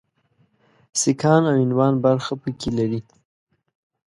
سیکهان او هندوان برخه پکې لري.